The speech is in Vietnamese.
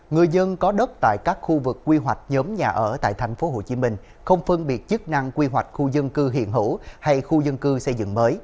người dân có đất tại các khu vực quy hoạch nhóm nhà ở tại tp hcm